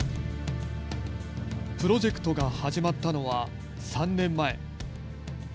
プロジェクトが始まったのは３年前。